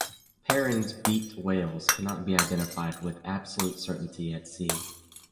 Perrin's beaked whales cannot be identified with absolute certainty at sea.